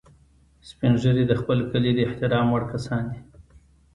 سپین ږیری د خپل کلي د احترام وړ کسان دي